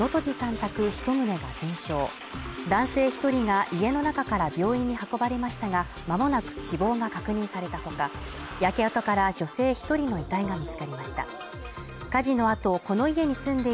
宅一棟が全焼し、男性１人が家の中から病院に運ばれましたがまもなく死亡が確認されたほか、焼け跡から女性１人の遺体が見つかりました。